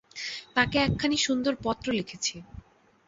তাঁকে একখানি সুন্দর পত্র লিখেছি।